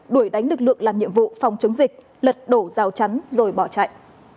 đuổi đánh lực lượng làm nhiệm vụ phòng chống dịch lật đổ rào chắn rồi bỏ chạy